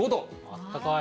あったかい。